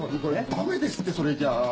駄目ですってそれじゃあ！